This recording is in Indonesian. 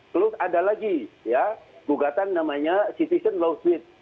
lalu ada lagi gugatan namanya citizen law suite